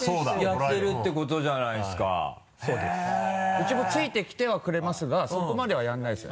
ウチも付いてきてはくれますがそこまではやらないです。